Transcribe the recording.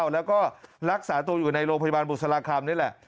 แล้วก็รักษาตัวอยู่ในโรงพยาบาลบุษราคำนี่แหละ